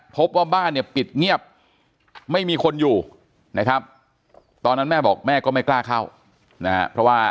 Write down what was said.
พบว่าบ้านเนี่ยปิดเงียบไม่มีคนอยู่นะครับตอนนั้นแม่บอกแม่ก็ไม่กล้าเข้านะฮะเพราะว่า